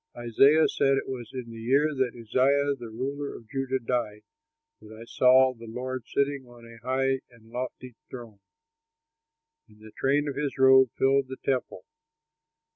Isaiah said it was in the year that Uzziah, the ruler of Judah, died that I saw the Lord sitting on a high and lofty throne; and the train of his robe filled the temple.